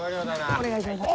お願いします。